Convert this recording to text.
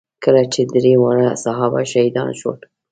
کله چې درې واړه صحابه شهیدان شول.